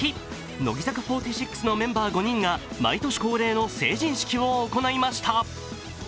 乃木坂４６のメンバー５人が毎年恒例の成人式を行いました。